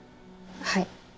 はい